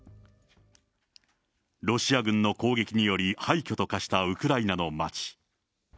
ロシア軍の攻撃により、廃虚と化したウクライナの街。